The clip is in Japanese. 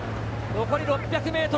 残り６００ｍ。